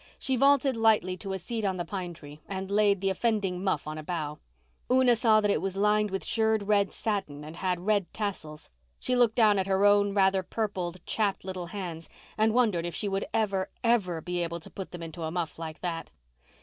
She vaulted lightly to a seat on the pine tree, and laid the offending muff on a bough. Una saw that it was lined with shirred red satin and had red tassels. She looked down at her own rather purple, chapped, little hands and wondered if she would ever, ever be able to put them into a muff like that.